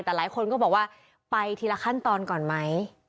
แต่หลายคนก็บอกว่าไปทีละขั้นตอนก่อนไหม